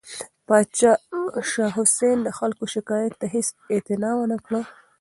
پاچا شاه حسین د خلکو شکایت ته هیڅ اعتنا ونه کړه.